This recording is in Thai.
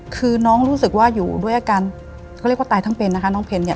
คือน้องรู้สึกว่าอยู่ด้วยอาการเขาเรียกว่าตายทั้งเป็นนะคะน้องเพนเนี่ย